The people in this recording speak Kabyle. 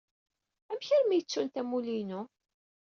Amek armi ay ttunt amulli-inu?